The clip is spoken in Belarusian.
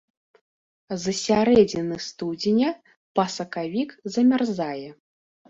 З сярэдзіны студзеня па сакавік замярзае.